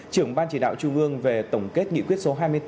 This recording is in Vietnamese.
trưởng ban chỉ đạo trung ương về tổng kết nghị quyết số hai mươi bốn